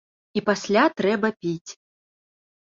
І пасля трэба піць.